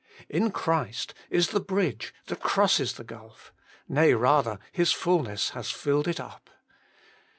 IN CHRIST ! is the bridge that crosses the gulf ; nay rather, His fulness has filled it up.